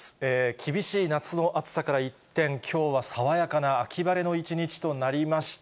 厳しい夏の暑さから一転、きょうは爽やかな秋晴れの一日となりました。